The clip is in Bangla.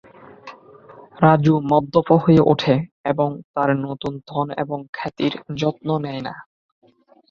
রাজু মদ্যপ হয়ে ওঠে, এবং তার নতুন ধন এবং খ্যাতির যত্ন নেয় না।